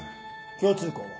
共通項は？